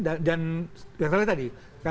dan seperti tadi